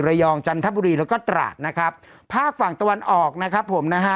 จันทบุรีแล้วก็ตราดนะครับภาคฝั่งตะวันออกนะครับผมนะฮะ